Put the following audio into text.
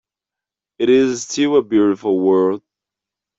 It is still a beautiful world.